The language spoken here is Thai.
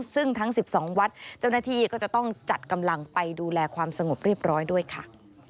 ซึ่งทั้ง๑๒วัดเจ้าหน้าที่ก็จะต้องจัดกำลังไปดูแลความสงบเรียบร้อยด้วยค่ะ